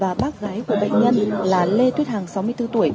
và bác gái của bệnh nhân là lê tuyết hàng sáu mươi bốn tuổi